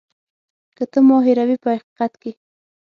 که ته ما هېروې په حقیقت کې.